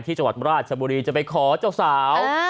จังหวัดราชบุรีจะไปขอเจ้าสาว